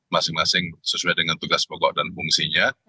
masing masing sesuai dengan tugas pokok dan fungsinya